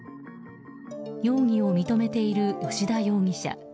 容疑を認めている吉田容疑者。